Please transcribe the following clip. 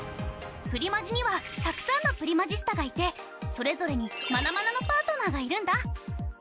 プリマジにはたくさんのプリマジスタがいてそれぞれにマナマナのパートナーがいるんだ。